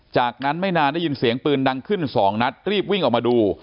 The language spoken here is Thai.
จากนั้นไม่นานได้ยินเสียงปืนดังขึ้นสองนัดรีบวิ่งออกมาดู